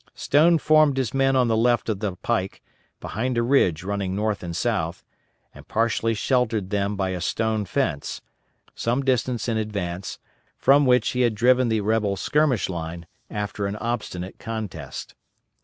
Stone formed his men on the left of the pike, behind a ridge running north and south, and partially sheltered them by a stone fence, some distance in advance, from which he had driven the rebel skirmish line, after an obstinate contest.